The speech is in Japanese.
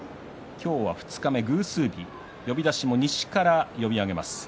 今日は二日目、偶数日呼出しも西から呼び上げます。